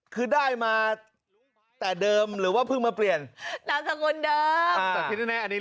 คือได้มาแต่เดิมหรือว่าเพิ่งมาเปลี่ยนนามสกุลเดิมแต่ที่แน่อันนี้